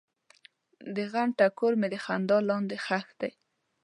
د غم ټکور مې د خندا لاندې ښخ دی.